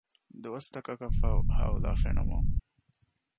ދުވަސްތަކަކަށްފަހު ހައުލާ ފެނުމުން